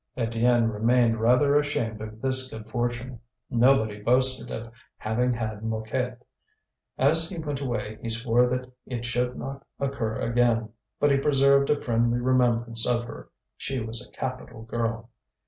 Étienne remained rather ashamed of this good fortune. Nobody boasted of having had Mouquette. As he went away he swore that it should not occur again, but he preserved a friendly remembrance of her; she was a capital girl.